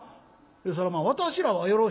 「そらまあ私らはよろしいけどもね